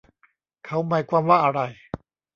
เขาหมายความว่าอะไร